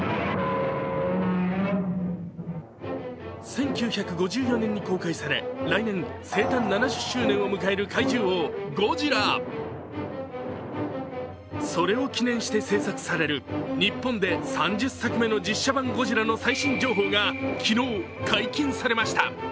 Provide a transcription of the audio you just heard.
１９５４年に公開され来年、生誕７０周年を迎える怪獣王・ゴジラそれを記念して製作される日本で３０作目の実写版「ゴジラ」の最新情報が昨日、解禁されました。